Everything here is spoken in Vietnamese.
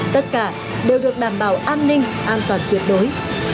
tất cả đều được đảm bảo an ninh an toàn tuyệt đối